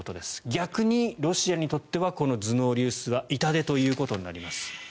逆にロシアにとってはこの頭脳流出は痛手ということになります。